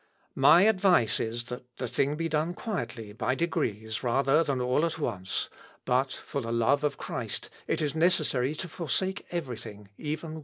"My advice is, that the thing be done quietly, by degrees, rather than all at once; but, for the love of Christ, it is necessary to forsake everything, even wife."